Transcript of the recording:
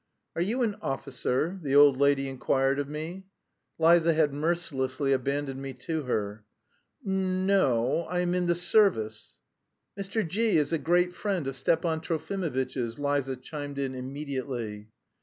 "Are you an officer?" the old lady inquired of me. Liza had mercilessly abandoned me to her. "N no. I'm in the service...." "Mr. G v is a great friend of Stepan Trofimovitch's," Liza chimed in immediately.